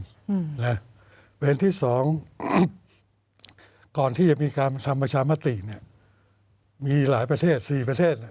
เพราะเหตุที่๒ก่อนที่จะมีการทำประชามตีมีหลายประเทศ๔ประเทศ